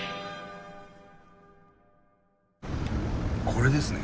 これですね。